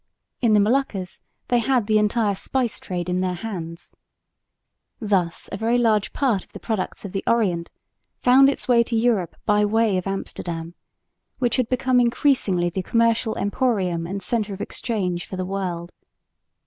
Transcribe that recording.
In the Moluccas they had the entire spice trade in their hands. Thus a very large part of the products of the Orient found its way to Europe by way of Amsterdam, which had become increasingly the commercial emporium and centre of exchange for the world.